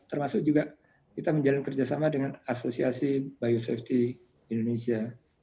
termasuk juga kita menjalin kerjasama dengan asosiasi biosafety indonesia